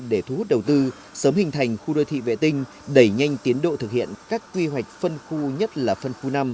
để thu hút đầu tư sớm hình thành khu đô thị vệ tinh đẩy nhanh tiến độ thực hiện các quy hoạch phân khu nhất là phân khu năm